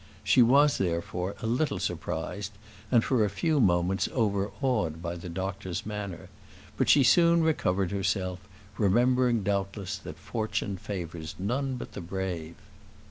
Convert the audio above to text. She was, therefore, a little surprised, and for a few moments overawed by the doctor's manner; but she soon recovered herself, remembering, doubtless, that fortune favours none but the brave.